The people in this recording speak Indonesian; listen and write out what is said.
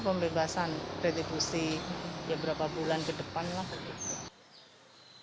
pembebasan retribusi ya berapa bulan ke depan lah begitu